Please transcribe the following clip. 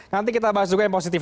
nanti kita bahas juga yang positif